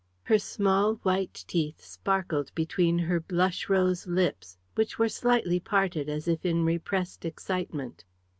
Her small, white teeth sparkled between her blush rose lips, which were slightly parted as if in repressed excitement.